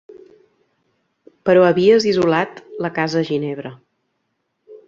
Però havies isolat la casa a Ginebra.